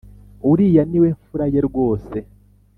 Uriya niwe mfura ye rwose